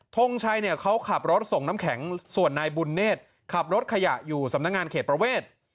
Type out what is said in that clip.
ทงชัยเนี่ยเขาขับรถส่งน้ำแข็งส่วนนายบุญเนธขับรถขยะอยู่สำนักงานเขตประเวท